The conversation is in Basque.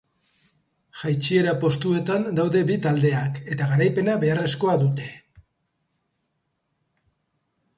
Jaitsiera postuetan daude bi taldeak eta garaipena beharrezkoa dute.